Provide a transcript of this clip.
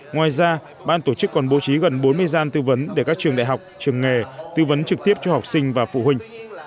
ngoài ra ban tổ chức còn bố trí gần bốn mươi gian tư vấn để các trường đại học trường nghề tư vấn trực tiếp cho học sinh và phụ huynh